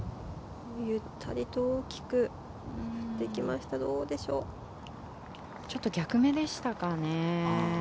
ゆったりと大きく振っていきましたがちょっと逆目でしたかね。